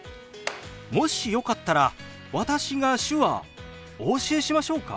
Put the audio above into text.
もしよかったら私が手話お教えしましょうか？